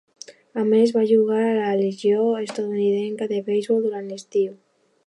A més, va jugar a la legió Estatunidenca de Beisbol durant l'estiu.